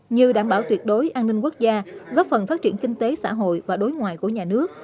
như đảm bảo tuyệt đối an ninh quốc gia góp phần phát triển kinh tế xã hội và đối ngoại của nhà nước